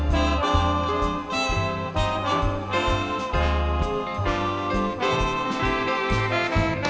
สวัสดีครับสวัสดีครับ